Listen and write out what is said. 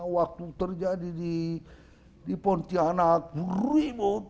waktu terjadi di pontianak ribut